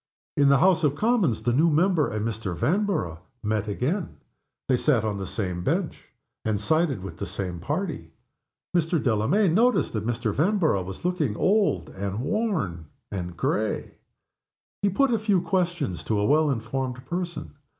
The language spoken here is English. In the House of Commons the new member and Mr. Vanborough met again. They sat on the same bench, and sided with the same party. Mr. Delamayn noticed that Mr. Vanborough was looking old and worn and gray. He put a few questions to a well informed person.